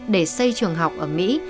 để xây trường học ở mỹ